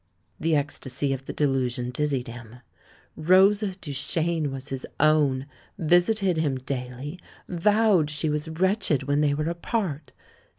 The ecstasy of the delusion dizzied him. Rosa THE LAURELS AND THE LADY 123 Duchene was his own; visited him daily; vowed she was wretched when they were apart!